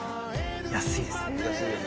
安いですね。